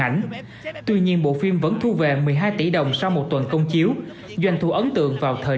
ảnh tuy nhiên bộ phim vẫn thu về một mươi hai tỷ đồng sau một tuần công chiếu doanh thu ấn tượng vào thời